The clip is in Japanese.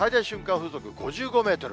風速５５メートル。